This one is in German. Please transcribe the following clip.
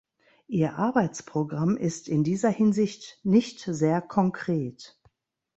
Ihr Arbeitsprogramm ist in dieser Hinsicht nicht sehr konkret.